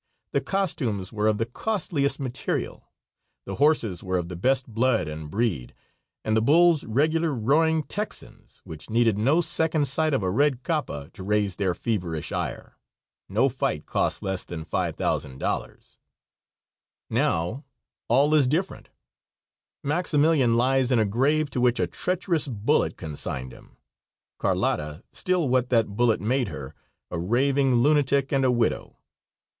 The costumes were of the costliest material; the horses were of the best blood and breed, and the bulls regular roaring Texans, which needed no second sight of a red capa to raise their feverish ire. No fight cost less than $5,000. Now all is different. Maximilian lies in a grave to which a treacherous bullet consigned him; Carlotta, still what that bullet made her, a raving lunatic and a widow.